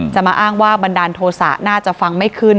จะมาอ้างว่าบันดาลโทษะน่าจะฟังไม่ขึ้น